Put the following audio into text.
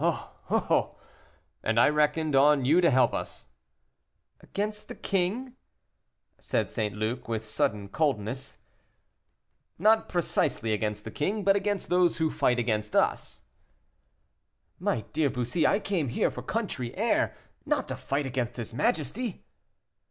"Oh! oh!" "And I reckoned on you to help us." "Against the king?" said St. Luc, with sudden coldness. "Not precisely against the king, but against those who fight against us." "My dear Bussy, I came here for country air, not to fight against his majesty."